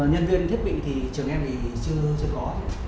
nhân viên thiết bị thì trường em thì chưa có